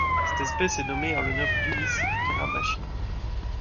Cette espèce est nommée en l'honneur d'Ulisses Caramaschi.